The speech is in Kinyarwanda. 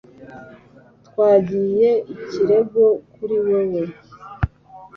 Twagize ikirego kuri wewe, .